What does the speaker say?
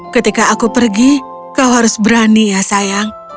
ketika aku pergi kau harus berani ya sayang